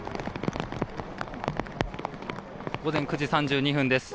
午前９時３２分です。